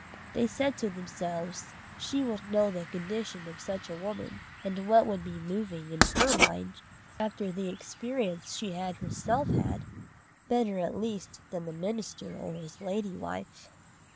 They said to themselves she would know the condition of such a woman, and what would be moving in her mind, after the experience she had herself had, better at least than the minister or his lady wife.